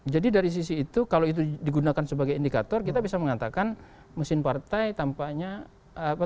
jadi dari sisi itu kalau itu digunakan sebagai indikator kita bisa mengatakan mesin partai tampaknya